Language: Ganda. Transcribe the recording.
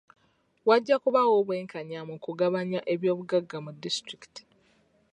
Wajja kubawo obw'enkanya mu kugabanya eby'obugagga mu disitulikiti.